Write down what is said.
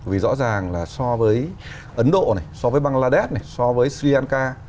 vì rõ ràng là so với ấn độ này so với bangladesh này so với sri lanka